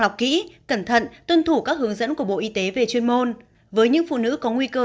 đọc kỹ cẩn thận tuân thủ các hướng dẫn của bộ y tế về chuyên môn với những phụ nữ có nguy cơ